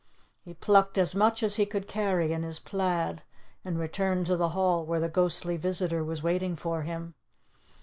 He plucked as much as he could carry in his plaid, and returned to the hall where the ghostly visitor was waiting for him.